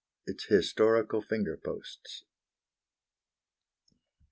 Its Historical Finger Posts.